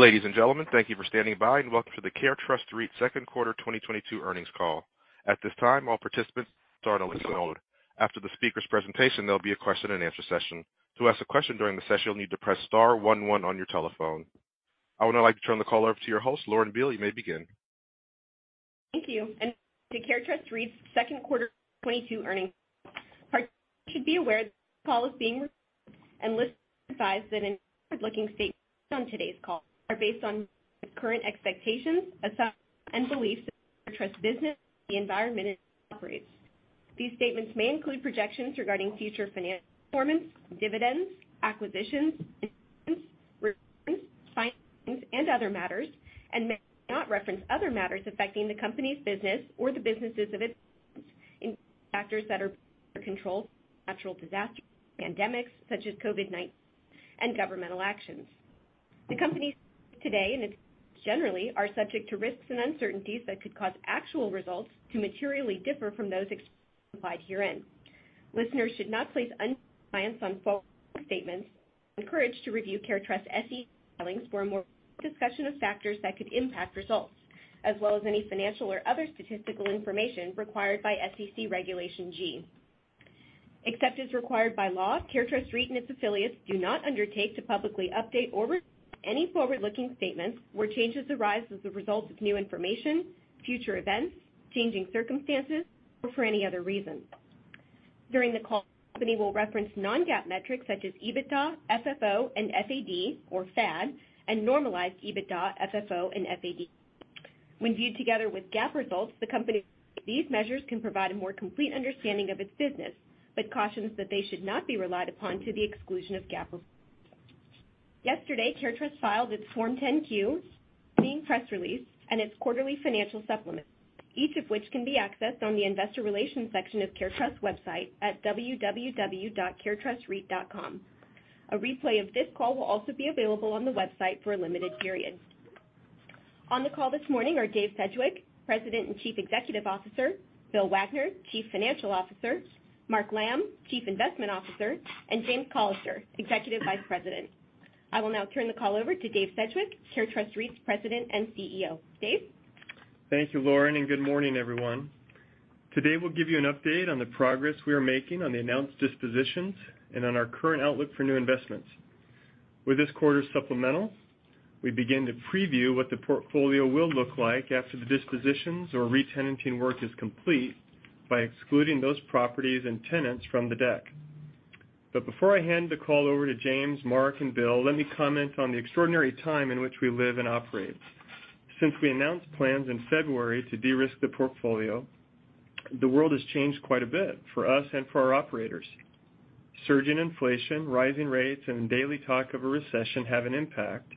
Ladies and gentlemen, thank you for standing by and welcome to the CareTrust REIT Second Quarter 2022 earnings call. At this time, all participants are in a listen only mode. After the speaker's presentation, there'll be a question and answer session. To ask a question during the session, you'll need to press star one one on your telephone. I would now like to turn the call over to your host, Lauren Beale. You may begin. Thank you. Welcome to CareTrust REIT's second quarter 2022 earnings call. Participants should be aware that this call is being recorded, and listeners are advised that any forward-looking statements made on today's call are based on the current expectations, assumptions, and beliefs of CareTrust business and the environment in which it operates. These statements may include projections regarding future financial performance, dividends, acquisitions, investments, refinance, financings, and other matters, and may not reference other matters affecting the company's business or the businesses of its investments, including factors that are beyond our control, such as natural disasters, pandemics such as COVID-19, and governmental actions. The company's statements today and its business generally are subject to risks and uncertainties that could cause actual results to materially differ from those expressed or implied herein. Listeners should not place undue reliance on forward-looking statements. We encourage you to review CareTrust's SEC filings for a more detailed discussion of factors that could impact results, as well as any financial or other statistical information required by SEC Regulation G. Except as required by law, CareTrust REIT and its affiliates do not undertake to publicly update or revise any forward-looking statements where changes arise as a result of new information, future events, changing circumstances, or for any other reason. During the call, the company will reference non-GAAP metrics such as EBITDA, FFO, and FAD, or FAD, and normalized EBITDA, FFO, and FAD. When viewed together with GAAP results, the company believes these measures can provide a more complete understanding of its business, but cautions that they should not be relied upon to the exclusion of GAAP results. Yesterday, CareTrust filed its Form 10-Q, this earnings press release, and its quarterly financial supplement, each of which can be accessed on the investor relations section of CareTrust's website at www.caretrustreit.com. A replay of this call will also be available on the website for a limited period. On the call this morning are Dave Sedgwick, President and Chief Executive Officer, Bill Wagner, Chief Financial Officer, Mark Lamb, Chief Investment Officer, and James Callister, Executive Vice President. I will now turn the call over to Dave Sedgwick, CareTrust REIT's President and CEO. Dave? Thank you, Lauren, and good morning, everyone. Today, we'll give you an update on the progress we are making on the announced dispositions and on our current outlook for new investments. With this quarter's supplemental, we begin to preview what the portfolio will look like after the dispositions or re-tenanting work is complete by excluding those properties and tenants from the deck. Before I hand the call over to James, Mark, and Bill, let me comment on the extraordinary time in which we live and operate. Since we announced plans in February to de-risk the portfolio, the world has changed quite a bit for us and for our operators. Surging inflation, rising rates, and daily talk of a recession have an impact.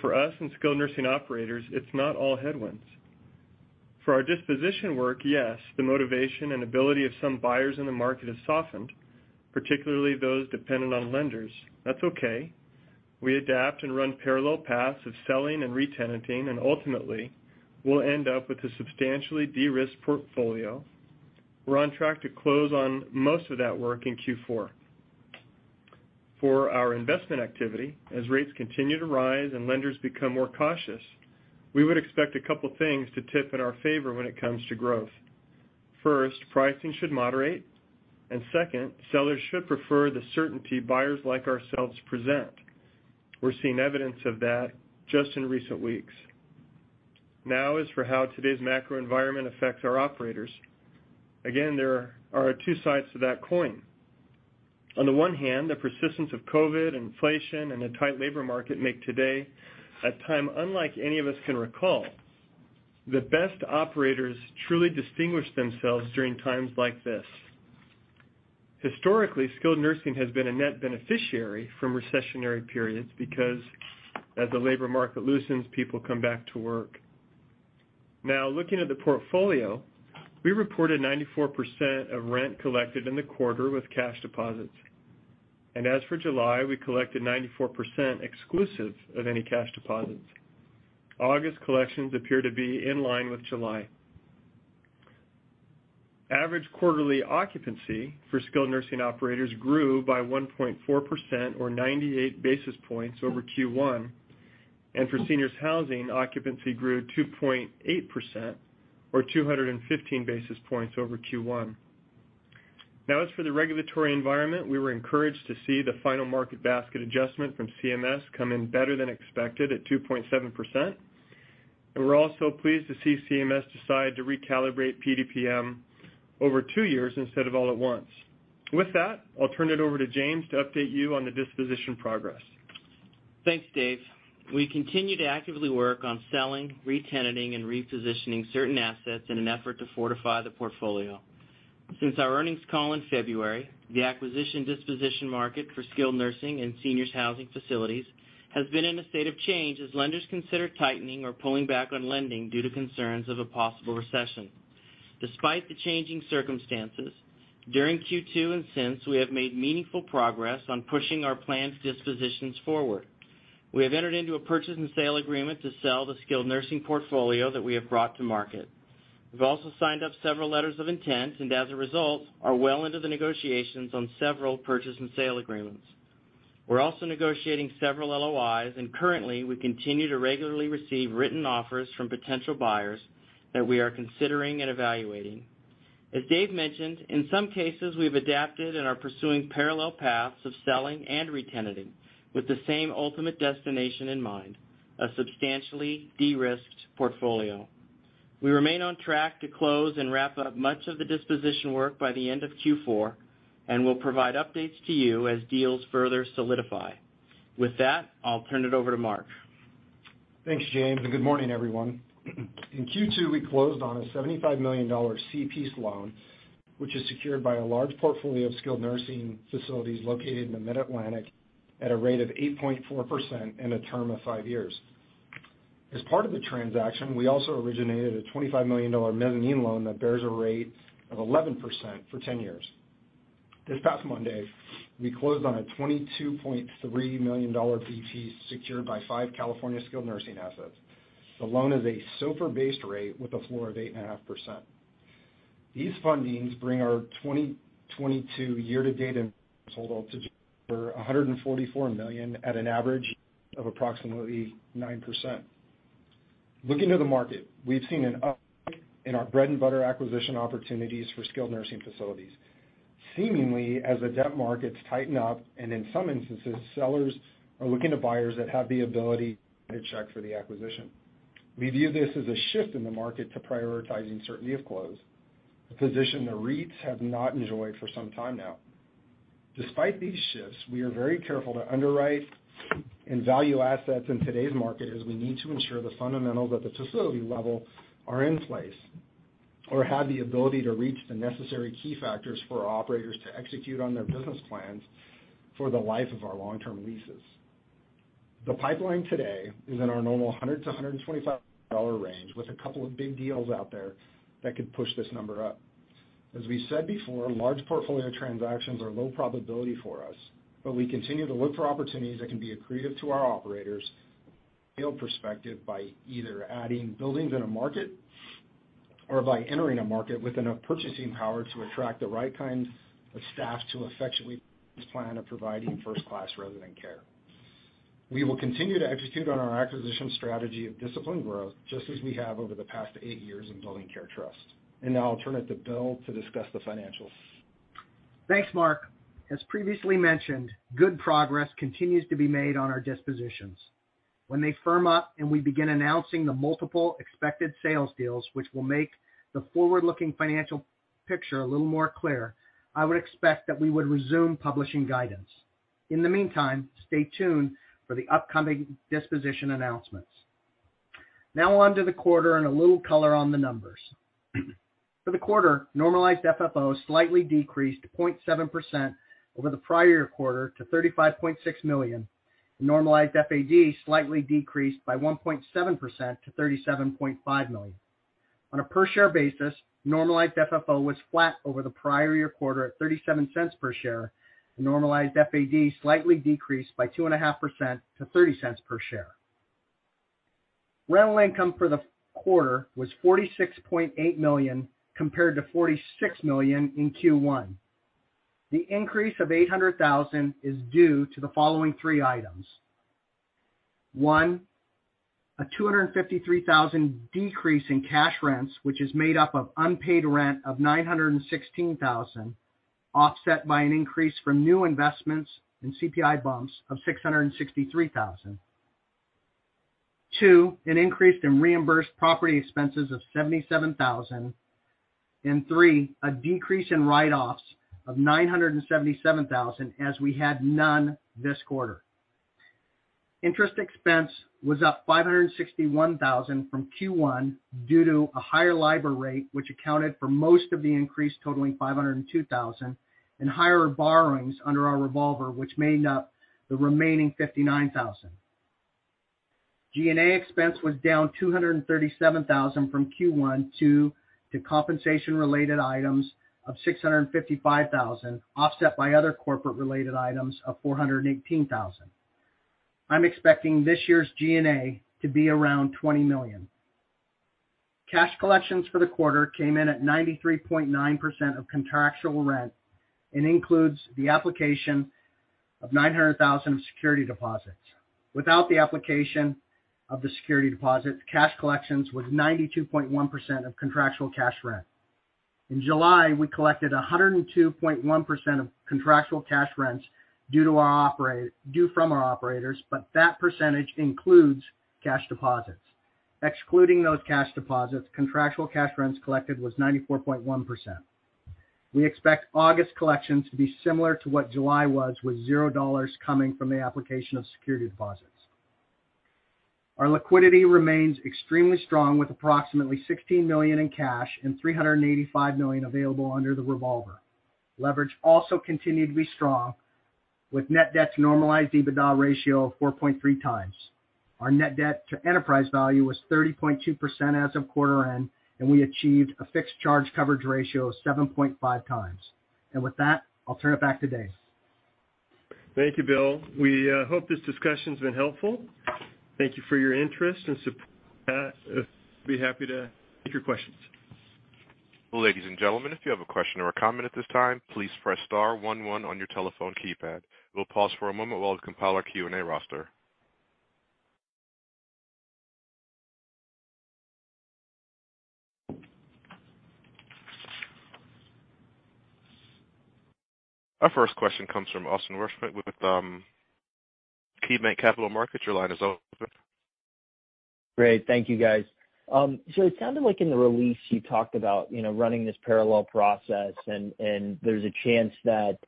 For us and skilled nursing operators, it's not all headwinds. For our disposition work, yes, the motivation and ability of some buyers in the market has softened, particularly those dependent on lenders. That's okay. We adapt and run parallel paths of selling and re-tenanting, and ultimately, we'll end up with a substantially de-risked portfolio. We're on track to close on most of that work in Q4. For our investment activity, as rates continue to rise and lenders become more cautious, we would expect a couple things to tip in our favor when it comes to growth. First, pricing should moderate, and second, sellers should prefer the certainty buyers like ourselves present. We're seeing evidence of that just in recent weeks. Now as for how today's macro environment affects our operators, again, there are two sides to that coin. On the one hand, the persistence of COVID, inflation, and a tight labor market make today a time unlike any of us can recall. The best operators truly distinguish themselves during times like this. Historically, skilled nursing has been a net beneficiary from recessionary periods because as the labor market loosens, people come back to work. Now looking at the portfolio, we reported 94% of rent collected in the quarter with cash deposits. As for July, we collected 94% exclusive of any cash deposits. August collections appear to be in line with July. Average quarterly occupancy for skilled nursing operators grew by 1.4% or 98 basis points over Q1. For seniors housing, occupancy grew 2.8% or 215 basis points over Q1. Now as for the regulatory environment, we were encouraged to see the final market basket adjustment from CMS come in better than expected at 2.7%. We're also pleased to see CMS decide to recalibrate PDPM over two years instead of all at once. With that, I'll turn it over to James to update you on the disposition progress. Thanks, Dave. We continue to actively work on selling, re-tenanting, and repositioning certain assets in an effort to fortify the portfolio. Since our earnings call in February, the acquisitions and dispositions market for skilled nursing and seniors housing facilities has been in a state of change as lenders consider tightening or pulling back on lending due to concerns of a possible recession. Despite the changing circumstances, during Q2 and since, we have made meaningful progress on pushing our planned dispositions forward. We have entered into a purchase and sale agreement to sell the skilled nursing portfolio that we have brought to market. We've also signed up several letters of intent, and as a result, are well into the negotiations on several purchase and sale agreements. We're also negotiating several LOIs, and currently, we continue to regularly receive written offers from potential buyers that we are considering and evaluating. As Dave mentioned, in some cases, we've adapted and are pursuing parallel paths of selling and re-tenanting with the same ultimate destination in mind, a substantially de-risked portfolio. We remain on track to close and wrap up much of the disposition work by the end of Q4, and we'll provide updates to you as deals further solidify. With that, I'll turn it over to Mark. Thanks, James, and good morning, everyone. In Q2, we closed on a $75 million C-PACE loan, which is secured by a large portfolio of skilled nursing facilities located in the Mid-Atlantic at a rate of 8.4% and a term of five years. As part of the transaction, we also originated a $25 million mezzanine loan that bears a rate of 11% for 10 years. This past Monday, we closed on a $22.3 million DT secured by five California skilled nursing assets. The loan is a SOFR-based rate with a floor of 8.5%. These fundings bring our 2022 year-to-date total to over $144 million at an average of approximately 9%. Looking to the market, we've seen an uptick in our bread-and-butter acquisition opportunities for skilled nursing facilities. Seemingly, as the debt markets tighten up, and in some instances, sellers are looking to buyers that have the ability to cash for the acquisition. We view this as a shift in the market to prioritizing certainty of close, a position the REITs have not enjoyed for some time now. Despite these shifts, we are very careful to underwrite and value assets in today's market as we need to ensure the fundamentals at the facility level are in place or have the ability to reach the necessary key factors for our operators to execute on their business plans for the life of our long-term leases. The pipeline today is in our normal $100-$125 range, with a couple of big deals out there that could push this number up. As we said before, large portfolio transactions are low probability for us, but we continue to look for opportunities that can be accretive to our operators perspective by either adding buildings in a market or by entering a market with enough purchasing power to attract the right kind of staff to effectively plan and providing first-class resident care. We will continue to execute on our acquisition strategy of disciplined growth, just as we have over the past eight years in building CareTrust. Now I'll turn it to Bill to discuss the financials. Thanks, Mark. As previously mentioned, good progress continues to be made on our dispositions. When they firm up and we begin announcing the multiple expected sales deals, which will make the forward-looking financial picture a little more clear, I would expect that we would resume publishing guidance. In the meantime, stay tuned for the upcoming disposition announcements. Now on to the quarter and a little color on the numbers. For the quarter, normalized FFO slightly decreased 0.7% over the prior quarter to $35.6 million. Normalized FAD slightly decreased 1.7% to $37.5 million. On a per-share basis, normalized FFO was flat over the prior year quarter at $0.37 per share, and normalized FAD slightly decreased 2.5% to $0.30 per share. Rental income for the quarter was $46.8 million compared to $46 million in Q1. The increase of $800 thousand is due to the following three items. One, a $253 thousand decrease in cash rents, which is made up of unpaid rent of $916 thousand, offset by an increase from new investments and CPI bumps of $663 thousand. Two, an increase in reimbursed property expenses of $77 thousand. And three, a decrease in write-offs of $977 thousand, as we had none this quarter. Interest expense was up $561 thousand from Q1 due to a higher LIBOR rate, which accounted for most of the increase totaling $502 thousand, and higher borrowings under our revolver, which made up the remaining $59 thousand. G&A expense was down $237,000 from Q1 due to compensation related items of $655,000, offset by other corporate related items of $418,000. I'm expecting this year's G&A to be around $20 million. Cash collections for the quarter came in at 93.9% of contractual rent and includes the application of $900,000 security deposits. Without the application of the security deposit, cash collections was 92.1% of contractual cash rent. In July, we collected 102.1% of contractual cash rents due from our operators, but that percentage includes cash deposits. Excluding those cash deposits, contractual cash rents collected was 94.1%. We expect August collections to be similar to what July was, with $0 coming from the application of security deposits. Our liquidity remains extremely strong, with approximately $16 million in cash and $385 million available under the revolver. Leverage also continued to be strong, with net debt to normalized EBITDA ratio of 4.3x. Our net debt to enterprise value was 30.2% as of quarter end, and we achieved a fixed charge coverage ratio of 7.5x. With that, I'll turn it back to Dave. Thank you, Bill. We hope this discussion's been helpful. Thank you for your interest and support. With that, be happy to take your questions. Well, ladies and gentlemen, if you have a question or a comment at this time, please press star one one on your telephone keypad. We'll pause for a moment while we compile our Q&A roster. Our first question comes from Austin Wurschmidt with KeyBanc Capital Markets. Your line is open. Great. Thank you, guys. It sounded like in the release you talked about, you know, running this parallel process and there's a chance that,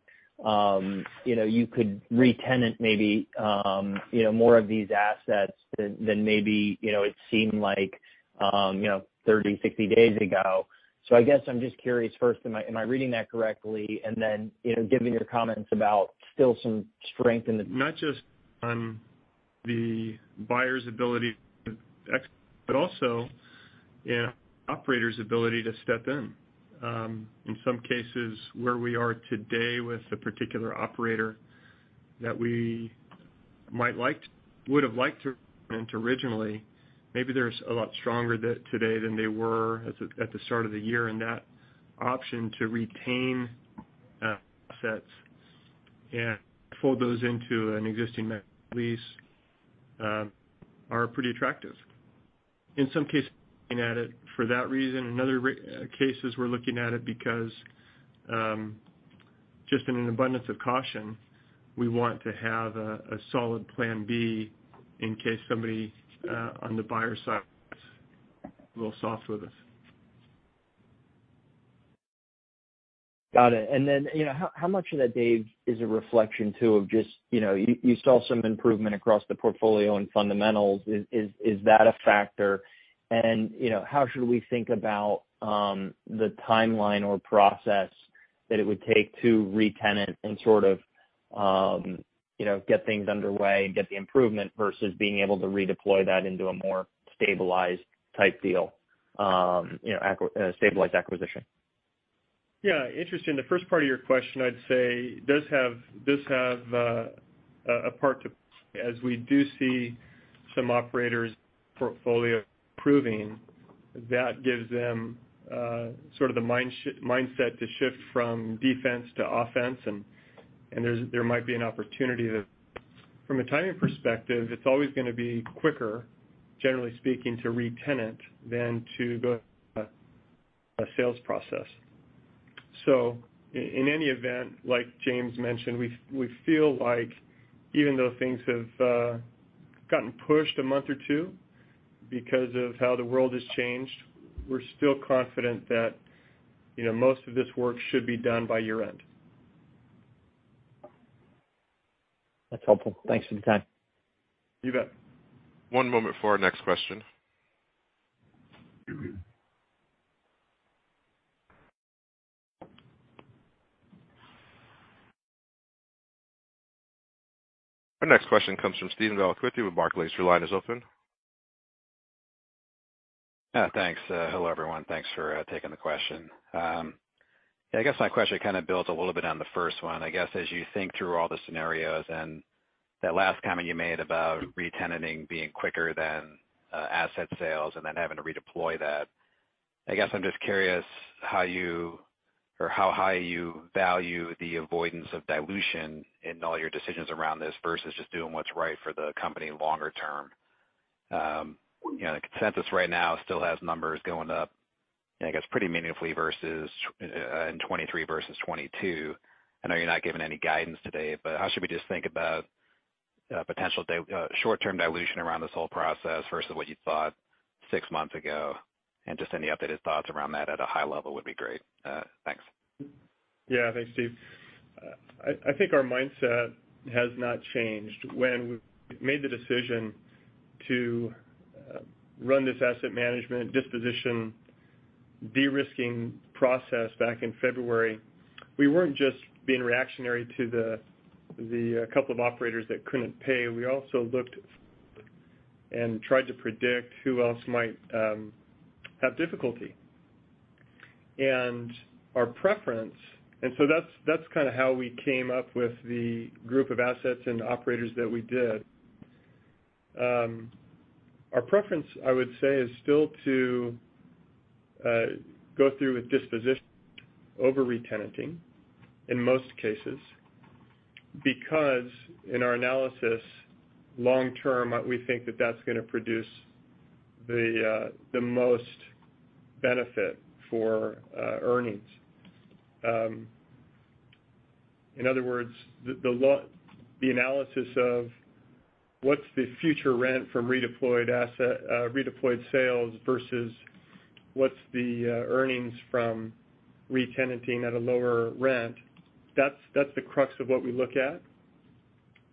you know, you could re-tenant maybe, you know, more of these assets than maybe, you know, it seemed like 30-60 days ago. I guess I'm just curious first, am I reading that correctly? You know, given your comments about still some strength in the- Not just on the buyer's ability to but also in operator's ability to step in. In some cases, where we are today with a particular operator that we would have liked to rent originally, maybe there's a lot stronger today than they were at the start of the year, and that option to retain assets and fold those into an existing net lease are pretty attractive. In some cases, we're looking at it for that reason. In other cases, we're looking at it because just in an abundance of caution, we want to have a solid plan B in case somebody on the buyer side is a little soft with us. Got it. Then, you know, how much of that, Dave, is a reflection too of just, you know, you saw some improvement across the portfolio and fundamentals. Is that a factor? You know, how should we think about the timeline or process that it would take to re-tenant and sort of, you know, get things underway and get the improvement versus being able to redeploy that into a more stabilized type deal, you know, stabilized acquisition? Yeah, interesting. The first part of your question, I'd say does have a part to play as we do see some operators' portfolio improving. That gives them sort of the mindset to shift from defense to offense, and there might be an opportunity. From a timing perspective, it's always gonna be quicker, generally speaking, to re-tenant than to go through a sales process. In any event, like James mentioned, we feel like even though things have gotten pushed a month or two because of how the world has changed, we're still confident that, you know, most of this work should be done by year-end. That's helpful. Thanks for the time. You bet. One moment for our next question. Our next question comes from Steven Valiquette with Barclays. Your line is open. Thanks. Hello, everyone. Thanks for taking the question. Yeah, I guess my question kind of builds a little bit on the first one. I guess, as you think through all the scenarios and that last comment you made about re-tenanting being quicker than asset sales and then having to redeploy that, I guess I'm just curious how you or how high you value the avoidance of dilution in all your decisions around this versus just doing what's right for the company longer term. You know, the consensus right now still has numbers going up, I guess, pretty meaningfully versus in 2023 versus 2022. I know you're not giving any guidance today, but how should we just think about potential short-term dilution around this whole process versus what you thought six months ago? Just any updated thoughts around that at a high level would be great. Thanks. Yeah. Thanks, Steve. I think our mindset has not changed. When we made the decision to run this asset management disposition, de-risking process back in February, we weren't just being reactionary to the couple of operators that couldn't pay. We also looked and tried to predict who else might have difficulty. So that's kinda how we came up with the group of assets and operators that we did. Our preference, I would say, is still to go through with disposition over re-tenanting in most cases because in our analysis, long term, we think that that's gonna produce the most benefit for earnings. In other words, the analysis of what's the future rent from redeployed asset, redeployed sales versus what's the earnings from re-tenanting at a lower rent, that's the crux of what we look at,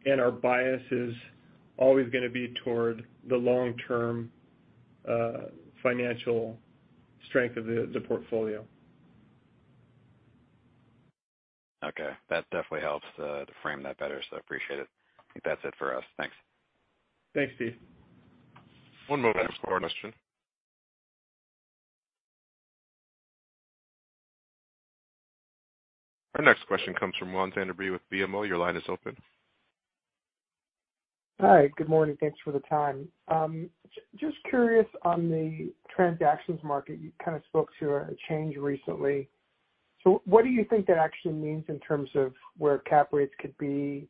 and our bias is always gonna be toward the long-term financial strength of the portfolio. Okay. That definitely helps to frame that better, so appreciate it. Think that's it for us. Thanks. Thanks, Steve. One moment for our next question. Our next question comes from Juan Sanabria with BMO. Your line is open. Hi, good morning. Thanks for the time. Just curious on the transactions market, you kind of spoke to a change recently. What do you think that actually means in terms of where cap rates could be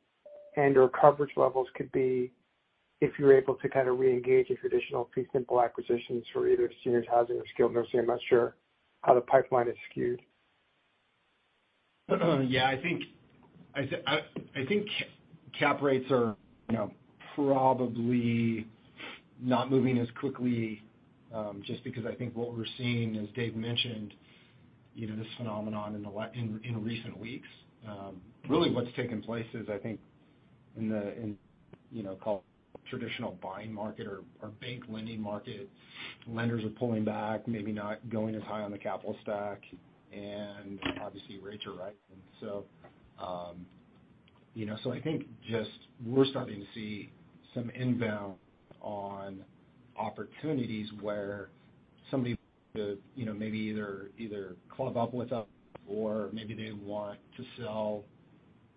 and/or coverage levels could be if you're able to kind of reengage in traditional fee simple acquisitions for either seniors housing or skilled nursing? I'm not sure how the pipeline is skewed. Yeah, I think cap rates are, you know, probably not moving as quickly, just because I think what we're seeing, as Dave mentioned, you know, this phenomenon in recent weeks. Really, what's taken place is I think in the, you know, so-called traditional buying market or bank lending market, lenders are pulling back, maybe not going as high on the capital stack, and obviously rates are rising. I think just we're starting to see some inbound on opportunities where somebody, you know, maybe either team up with us or maybe they want to sell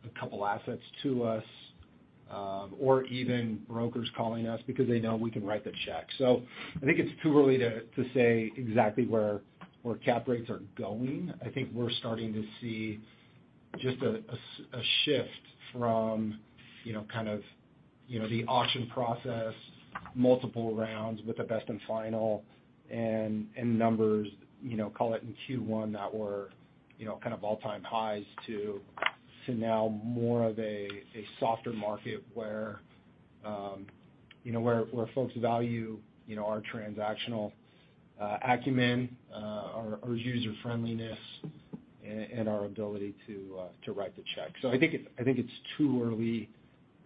a couple assets to us, or even brokers calling us because they know we can write the check. I think it's too early to say exactly where cap rates are going. I think we're starting to see just a shift from, you know, kind of, you know, the auction process, multiple rounds with the best and final and numbers, you know, call it in Q1 that were, you know, kind of all-time highs to now more of a softer market where, you know, where folks value, you know, our transactional acumen, our user friendliness and our ability to write the check. I think it's too early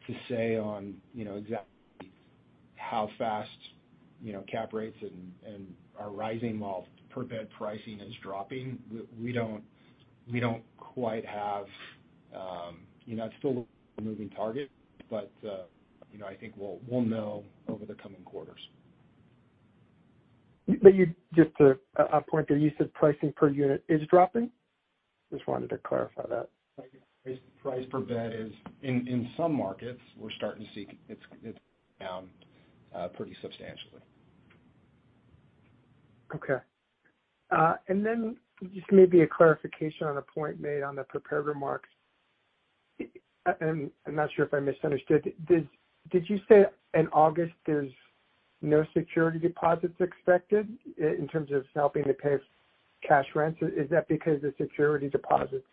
to say on, you know, exactly how fast, you know, cap rates and are rising while per bed pricing is dropping. We don't quite have, you know, it's still a moving target, but, you know, I think we'll know over the coming quarters. You just to a point there, you said pricing per unit is dropping? Just wanted to clarify that. Price per bed is in some markets we're starting to see it's down pretty substantially. Okay. Just maybe a clarification on a point made on the prepared remarks. I'm not sure if I misunderstood. Did you say in August there's no security deposits expected in terms of helping to pay cash rents? Is that because the security deposits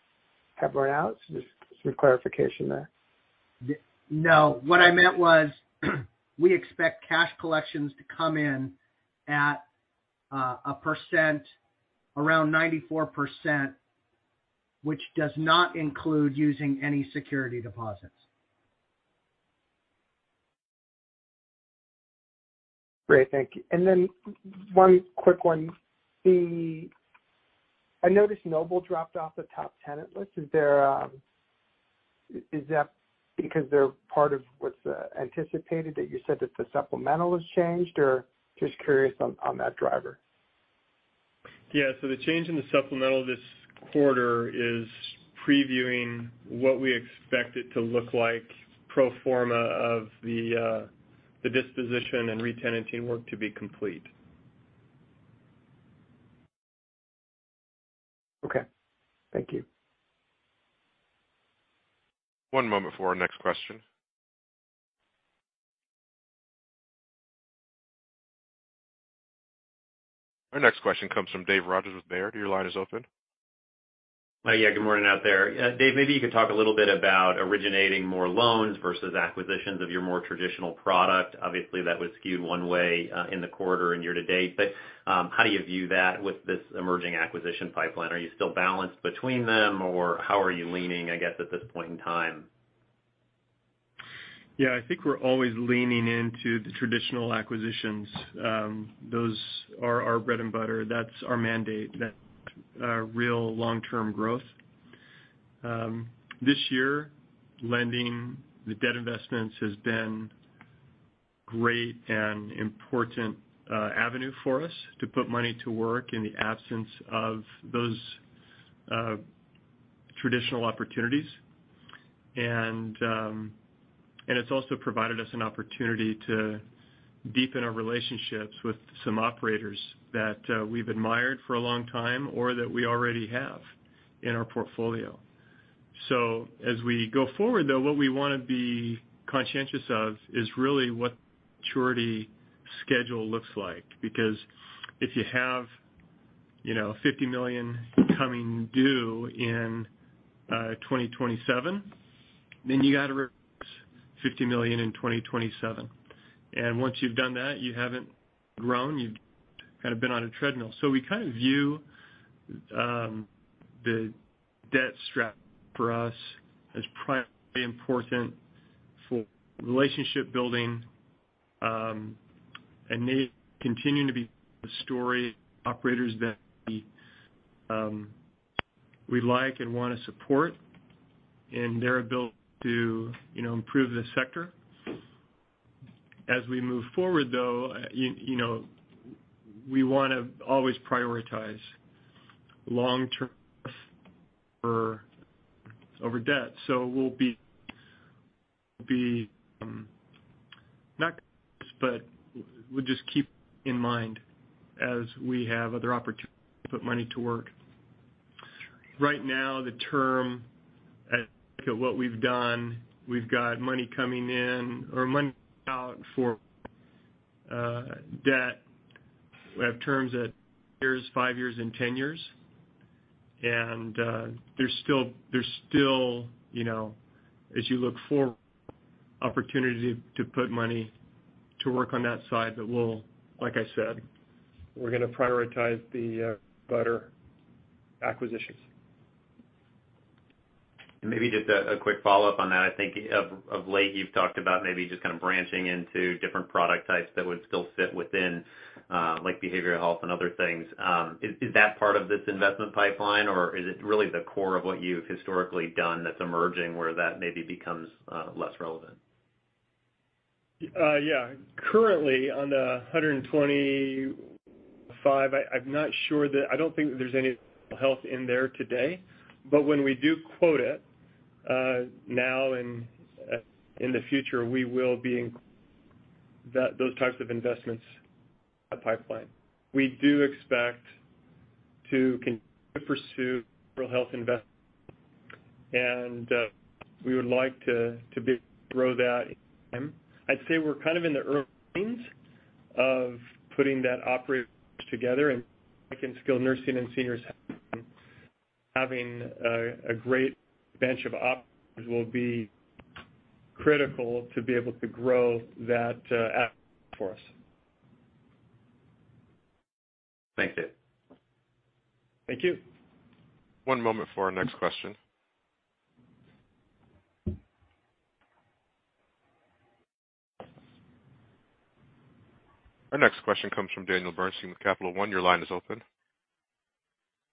have run out? Just some clarification there. No. What I meant was we expect cash collections to come in at around 94 percent, which does not include using any security deposits. Great. Thank you. One quick one. I noticed Noble dropped off the top tenant list. Is there, is that because they're part of what's anticipated that you said that the supplemental has changed? Or just curious on that driver. Yeah. The change in the supplemental this quarter is previewing what we expect it to look like pro forma of the the disposition and re-tenanting work to be complete. Okay. Thank you. One moment for our next question. Our next question comes from David Rodgers with Baird. Your line is open. Yeah. Good morning out there. Dave, maybe you could talk a little bit about originating more loans versus acquisitions of your more traditional product. Obviously, that was skewed one way in the quarter and year to date. How do you view that with this emerging acquisition pipeline? Are you still balanced between them or how are you leaning, I guess, at this point in time? Yeah. I think we're always leaning into the traditional acquisitions. Those are our bread and butter. That's our mandate. That's our real long-term growth. This year, lending and debt investments has been great and important avenue for us to put money to work in the absence of those traditional opportunities. And it's also provided us an opportunity to deepen our relationships with some operators that we've admired for a long time or that we already have in our portfolio. As we go forward, though, what we wanna be conscientious of is really what maturity schedule looks like. Because if you have, you know, $50 million coming due in 2027, then you gotta raise $50 million in 2027. Once you've done that, you haven't grown, you've kind of been on a treadmill. We kind of view the debt strategy for us as primarily important for relationship building and continuing to be the strong operators that we like and wanna support in their ability to, you know, improve the sector. As we move forward, though, you know, we wanna always prioritize long-term over debt. We'll just keep in mind as we have other opportunities to put money to work. Right now, the terms as to what we've done, we've got money coming in or money out for debt. We have terms that years, five years and 10 years. There's still, you know, as you look for opportunity to put money to work on that side, that we will, like I said, prioritize the better acquisitions. Maybe just a quick follow-up on that. I think of late, you've talked about maybe just kinda branching into different product types that would still fit within, like behavioral health and other things. Is that part of this investment pipeline, or is it really the core of what you've historically done that's emerging, where that maybe becomes less relevant? Currently, on the 125, I don't think that there's any healthcare in there today, but when we do quote it, now and in the future, we will be including those types of investments, a pipeline. We do expect to pursue real healthcare investments. We would like to grow that. I'd say we're kind of in the early innings of putting that operator together and skilled nursing and seniors housing having a great bench of ops will be critical to be able to grow that, for us. Thank you. Thank you. One moment for our next question. Our next question comes from Daniel Bernstein with Capital One. Your line is open.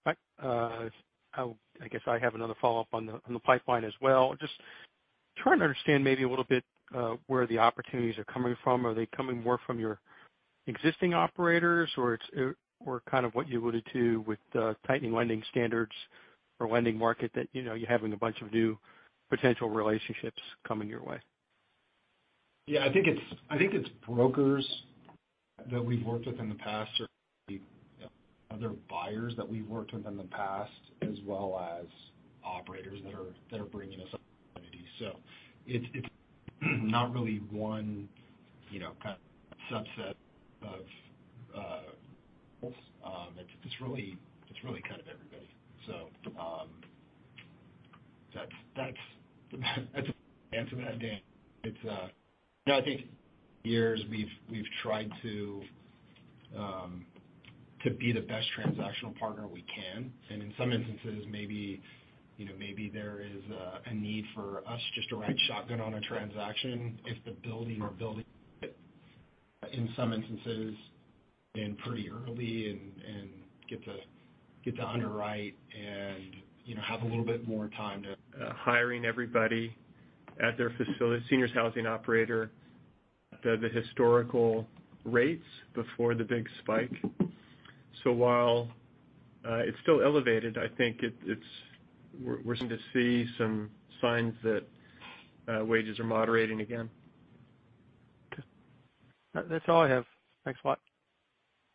Hi. I guess I have another follow-up on the pipeline as well. Just trying to understand maybe a little bit where the opportunities are coming from. Are they coming more from your existing operators or it's, or kind of what you alluded to with the tightening lending standards or lending market that, you know, you're having a bunch of new potential relationships coming your way? Yeah, I think it's brokers that we've worked with in the past or other buyers that we've worked with in the past, as well as operators that are bringing us opportunities. It's not really one, you know, kind of subset of, it's really kind of everybody. That's an answer to that, Dan. It's, you know, I think years we've tried to be the best transactional partner we can, and in some instances, maybe, you know, maybe there is a need for us just to ride shotgun on a transaction if the building in some instances is pretty early and get to underwrite and, you know, have a little bit more time to hiring everybody at their facility, seniors housing operator, the historical rates before the big spike. While it's still elevated, I think we're starting to see some signs that wages are moderating again. Okay. That's all I have. Thanks a lot.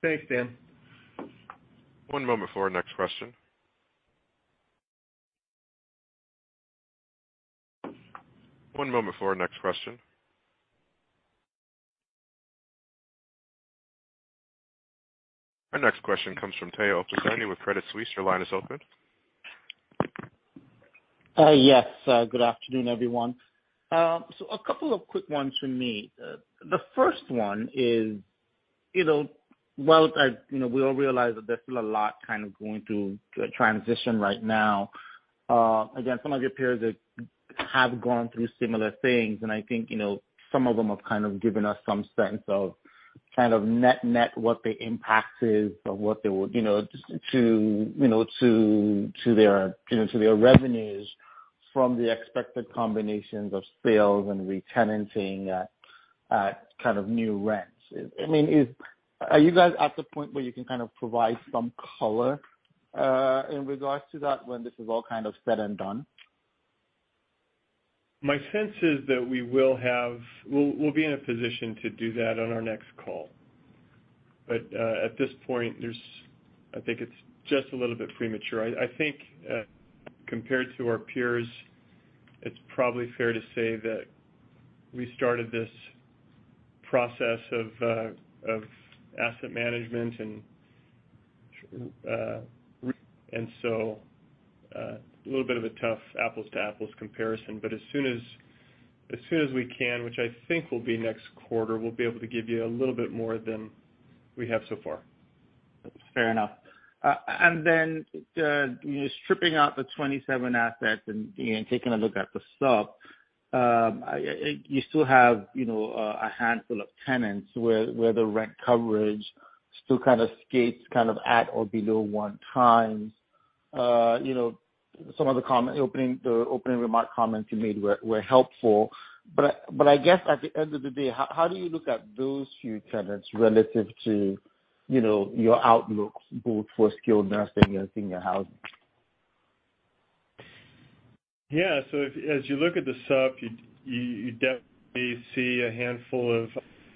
Thanks, Dan. One moment for our next question. Our next question comes from Tayo Okusanya with Credit Suisse. Your line is open. Yes, good afternoon, everyone. A couple of quick ones from me. The first one is, you know, well, you know, we all realize that there's still a lot kind of going through a transition right now. Again, some of your peers that have gone through similar things, and I think, you know, some of them have kind of given us some sense of kind of net-net what the impact is of what they would, you know, to their revenues from the expected combinations of sales and retenanting at kind of new rents. I mean, are you guys at the point where you can kind of provide some color in regards to that when this is all kind of said and done? My sense is that we'll be in a position to do that on our next call. At this point, I think it's just a little bit premature. I think compared to our peers, it's probably fair to say that we started this process of asset management and so a little bit of a tough apples to apples comparison. As soon as we can, which I think will be next quarter, we'll be able to give you a little bit more than we have so far. Fair enough. And then, stripping out the 27 assets and taking a look at the sub, you still have, you know, a handful of tenants where the rent coverage still kind of sits at or below 1x. You know, some of the opening remarks you made were helpful. I guess at the end of the day, how do you look at those few tenants relative to, you know, your outlook both for skilled nursing and seniors housing? Yeah. As you look at the supp, you definitely see a handful of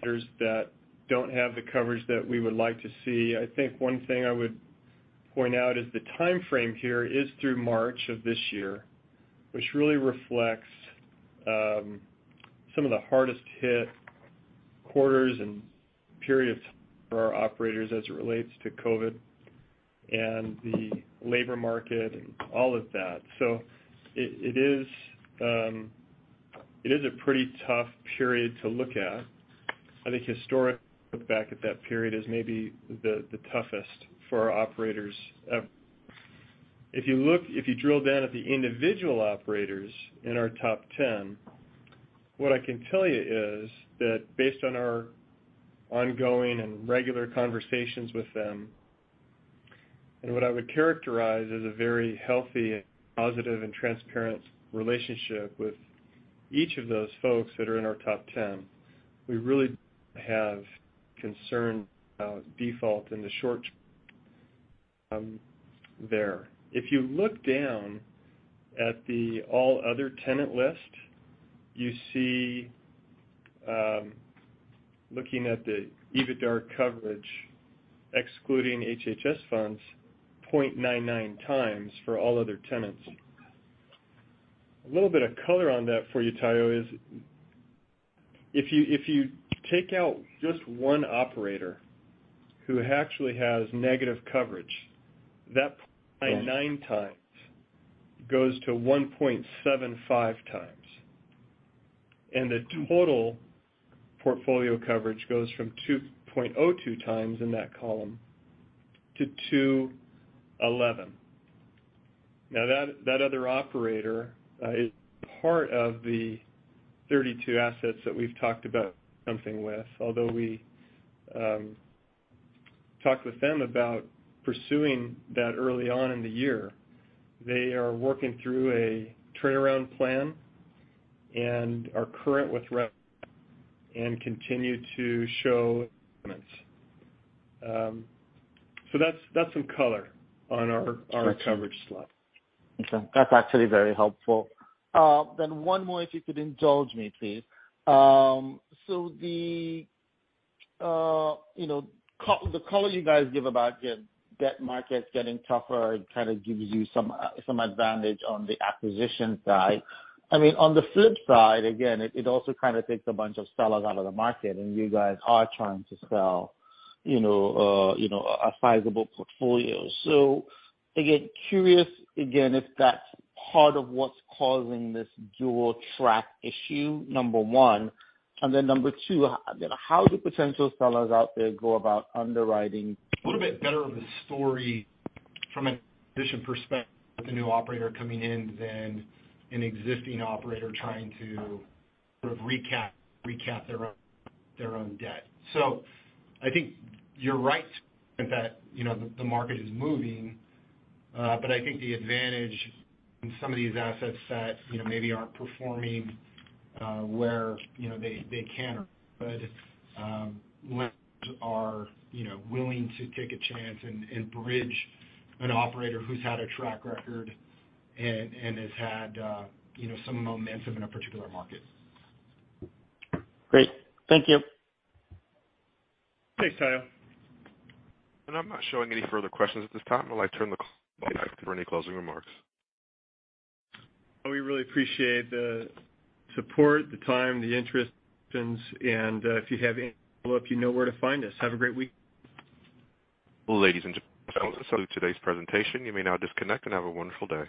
owners that don't have the coverage that we would like to see. I think one thing I would point out is the timeframe here is through March of this year, which really reflects some of the hardest hit quarters and periods for our operators as it relates to COVID and the labor market and all of that. It is a pretty tough period to look at. I think historically back at that period is maybe the toughest for our operators. If you look... If you drill down at the individual operators in our top ten, what I can tell you is that based on our ongoing and regular conversations with them, and what I would characterize as a very healthy and positive and transparent relationship with each of those folks that are in our top ten, we really have concern about default in the short term. If you look down at the all other tenant list, you see, looking at the EBITDA coverage, excluding HHS funds, 0.99x for all other tenants. A little bit of color on that for you, Tayo, is if you, if you take out just one operator who actually has negative coverage, that 0.99x goes to 1.75x, and the total portfolio coverage goes from 2.02x in that column to 2.11x. Now, that other operator is part of the 32 assets that we've talked about something with. Although we talked with them about pursuing that early on in the year, they are working through a turnaround plan and are current with rent and continue to show tenants. That's some color on our- Gotcha. Our coverage slide. Okay. That's actually very helpful. One more if you could indulge me, please. The color you guys give about the debt markets getting tougher kind of gives you some advantage on the acquisition side. I mean, on the flip side, again, it also kind of takes a bunch of sellers out of the market, and you guys are trying to sell, you know, a sizable portfolio. Again, curious if that's part of what's causing this dual track issue, number one. Number two, how do potential sellers out there go about underwriting. A little bit better of a story from an acquisition perspective with the new operator coming in than an existing operator trying to sort of recap their own debt. I think you're right that, you know, the market is moving, but I think the advantage in some of these asset sets, you know, maybe aren't performing where, you know, they can or could, lenders are, you know, willing to take a chance and bridge an operator who's had a track record and has had, you know, some momentum in a particular market. Great. Thank you. Thanks, Tayo. I'm not showing any further questions at this time. I'd like to turn the call back for any closing remarks. We really appreciate the support, the time, the interest, and if you have any follow-up, you know where to find us. Have a great week. Ladies and gentlemen, this concludes today's presentation. You may now disconnect and have a wonderful day.